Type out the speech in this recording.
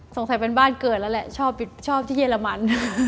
สงสัยเป็นบ้านเกิดแล้วแหละชอบที่เยอรมัน